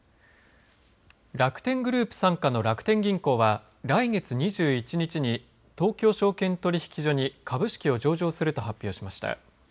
楽天グループ傘下の楽天銀行は来月２１日に東京証券取引所に株式を上場すると発表しました。